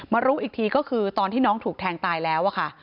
รู้อีกทีก็คือตอนที่น้องถูกแทงตายแล้วค่ะ